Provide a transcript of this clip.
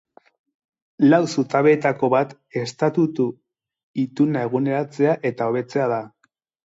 Lau zutabeetako bat estatutu-ituna eguneratzea eta hobetzea da.